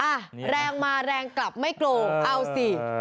อ่ะแรงมาแรงกลับไม่โกงเอาสิ